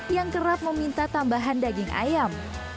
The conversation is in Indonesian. yang kerap meminta tambahan daging ayam